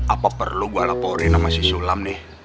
apa perlu gue laporin sama si sulam nih